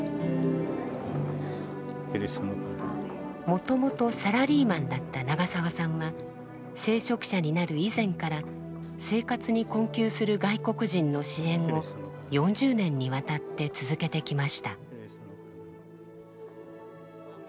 もともとサラリーマンだった長澤さんは聖職者になる以前から生活に困窮する外国人の支援を４０年にわたって続けてきました。